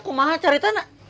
kok mahal cari tanah